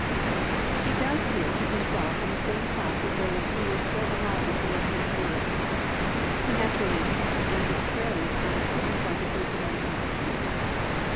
"+ He does here put himself in the same class with those who were still alive when he wrote the words. He naturally and necessarily did not include himself with those who had already fallen asleep.